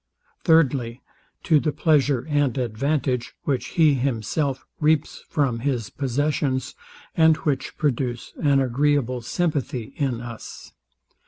Thirdly, To the pleasure and advantage, which he himself reaps from his possessions, and which produce an agreeable sympathy in us.